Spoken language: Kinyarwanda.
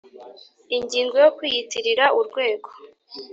Ingingo yo Kwiyitirira urwego